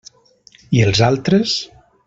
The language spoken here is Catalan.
I els altres?